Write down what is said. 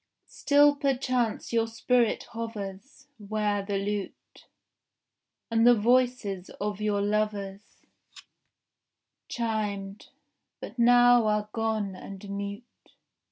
Still perchance your spirit hovers Where the lute And the voices of your lovers Chimed, but now are gone and mute.